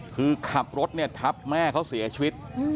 คือขับรถเนี่ยทับแม่เขาเสียชีวิต